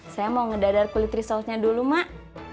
saya mau ngedadar kulit resultnya dulu mak